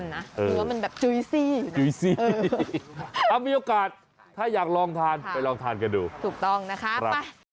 ต้องมีโอกาสถ้าอยากลองทานไปลองทานกันดูทุกต้องนะครับ